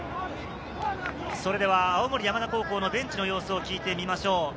それでは青森山田高校のベンチの様子を聞いてみましょう。